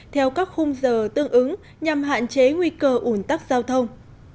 theo các khung giờ tương ứng nhằm hạn chế nguy cơ ủn tắc giao thông